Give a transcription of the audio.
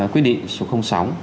quyết định số sáu